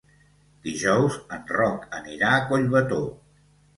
Dijous en Roc anirà a Collbató.